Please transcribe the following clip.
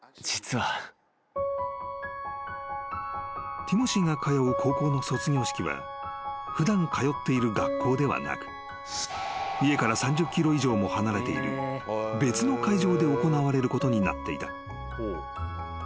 ［ティモシーが通う高校の卒業式は普段通っている学校ではなく家から３０ｋｍ以上も離れている別の会場で行われることになっていた］